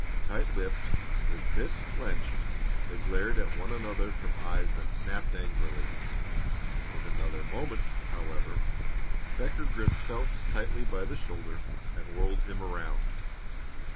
Tight lipped, with fists clenched, they glared at one another from eyes that snapped angrily. In another moment, however, Becker gripped Phelps tightly by the shoulder and whirled him around.